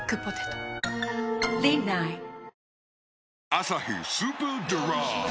「アサヒスーパードライ」